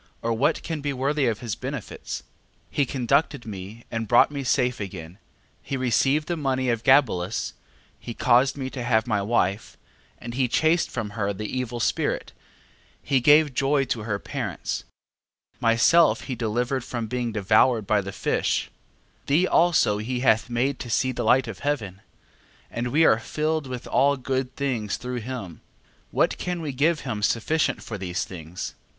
or what can be worthy of his benefits? 12:3. He conducted me and brought me safe again, he received the money of Gabelus, he caused me to have my wife, and he chased from her the evil spirit, he gave joy to her parents, myself he delivered from being devoured by the fish, thee also he hath made to see the light of heaven, and we are filled with all good things through him. What can we give him sufficient for these things?